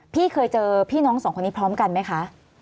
พี่เคยเจอพี่น้องสองคนนี้พร้อมกันไหมคะ